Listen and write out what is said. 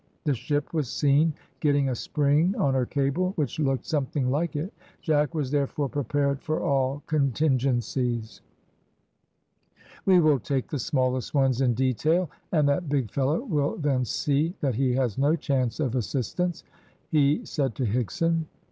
The ship was seen getting a spring on her cable, which looked something like it; Jack was therefore prepared for all contingencies. "We will take the smallest ones in detail, and that big fellow will then see that he has no chance of assistance," he said to Higson.